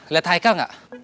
lihat haikal gak